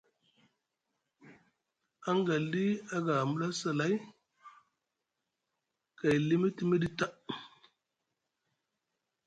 Angalɗi aga a mula saa lay kay limitimiɗi ta.